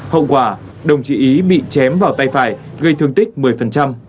hậu quả đồng chí ý bị chém vào tay phải gây thương tích một mươi